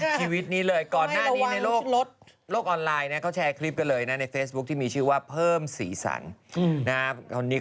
ชีวิตนี้เลยก็ก่อนหน้านี้ในโลก